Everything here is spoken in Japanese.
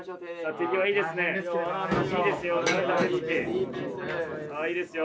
手際いいですね。